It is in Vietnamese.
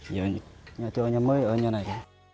giờ nhà chỗ nhà mới ở nhà này